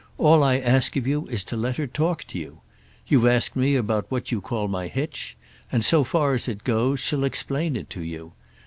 All I ask of you is to let her talk to you. You've asked me about what you call my hitch, and so far as it goes she'll explain it to you.